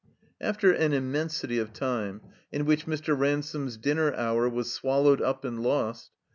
After an immensity of time, in which Mr. Ran some's dinner hour was swallowed up and lost.